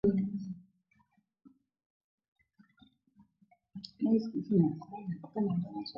Ba china beko na lima sana kupita ma inchi yote ya afrika